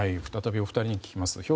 再びお二人に聞きます。